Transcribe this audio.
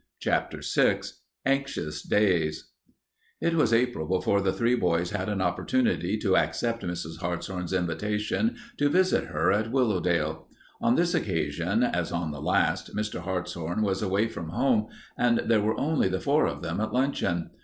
CHAPTER VI ANXIOUS DAYS It was April before the three boys had an opportunity to accept Mrs. Hartshorn's invitation to visit her at Willowdale. On this occasion, as on the last, Mr. Hartshorn was away from home and there were only the four of them at luncheon.